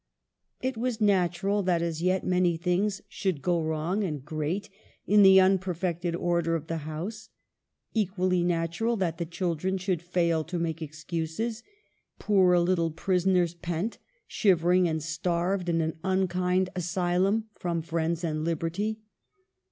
It was natural that as yet many things should go wrong and grate in the unperfected order of the house ; equally natural that the children should fail to make excuses : poor little prisoners pent, shivering and starved, in an unkind asylum from friends and liberty.